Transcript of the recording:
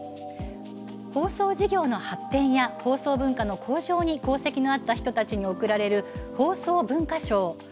放送事業の発展や放送文化の向上に功績のあった人たちに贈られる放送文化賞。